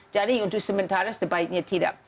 jadi untuk sementara sebaiknya tidak